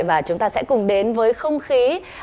và chúng ta sẽ cùng đến với không khí